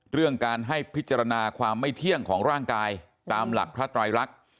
เรื่องการให้พิจารณาความไม่เที่ยงของร่างกายตามหลักพระไตรลักษณ์